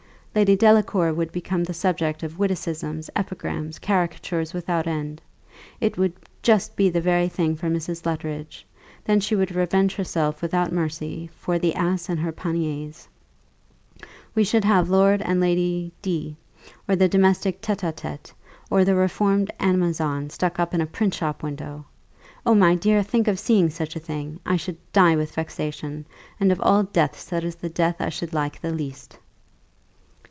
Lady Delacour would become the subject of witticisms, epigrams, caricatures without end. It would just be the very thing for Mrs. Luttridge; then she would revenge herself without mercy for the ass and her panniers. We should have 'Lord and Lady D , or the Domestic Tête à tête,' or 'The Reformed Amazon,' stuck up in a print shop window! Oh, my dear, think of seeing such a thing! I should die with vexation; and of all deaths, that is the death I should like the least."